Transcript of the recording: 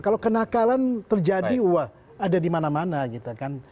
kalau kenakalan terjadi wah ada di mana mana gitu kan